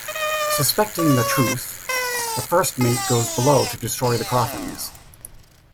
Suspecting the truth, the first mate goes below to destroy the coffins.